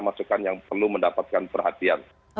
masukan yang perlu mendapatkan perhatian